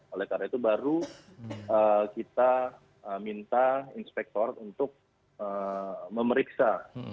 oleh karena itu baru kita minta inspektorat untuk memeriksa